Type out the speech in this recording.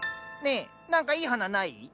ねえ何かいい花ない？